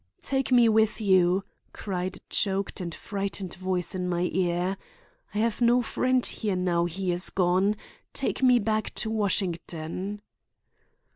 "Take me with you," cried a choked and frightened voice in my ear. "I have no friend here, now he is gone; take me back to Washington."